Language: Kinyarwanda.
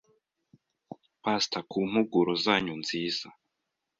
Pastor ku mpuguro zanyu nziza